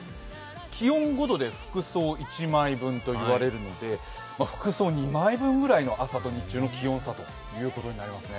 気温５度で服装１枚分といわれるので服装２枚分ぐらいの朝と日中の気温差となりますね。